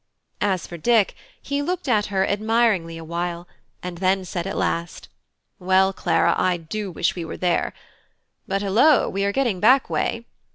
As for Dick, he looked at her admiringly a while, and then said at last: "Well, Clara, I do wish we were there! But, hilloa! we are getting back way."